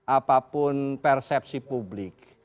apapun persepsi publik